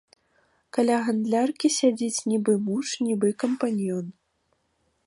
Каля гандляркі сядзіць нібы муж, нібы кампаньён.